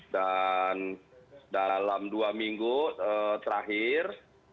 dan dalam dua minggu terakhir